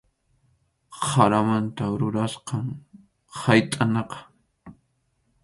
Qaramanta rurasqam haytʼanaqa.